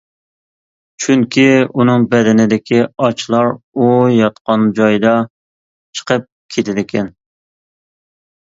چۈنكى ئۇنىڭ بەدىنىدىكى ئاچلار ئۇ ياتقان جايدا چىقىپ كېتىدىكەن.